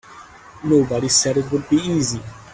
Nobody said it would be easy.